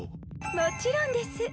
もちろんです。